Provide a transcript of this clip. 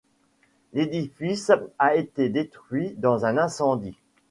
L'édifice a été détruit dans un incendie.